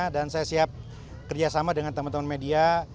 dan saya siap kerjasama dengan teman teman media